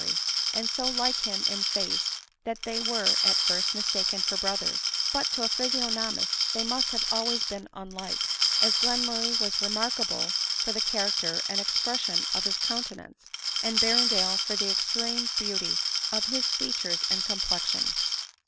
murray, and so like him in face, that they were, at first, mistaken for brothers : but to a physiognomist they must have always been unlike ; as Glenmurray was remark able for the character and expression of his countenance, and Berrendale for the extreme ~beauty of his features and complexion.